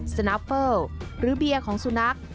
สนาเฟิลหรือเบียร์ของสุนัข